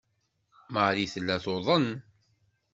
Marie tella tuḍen.